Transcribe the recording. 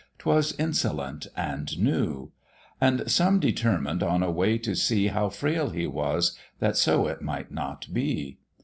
'twas insolent and new; And some determined on a way to see How frail he was, that so it might not be.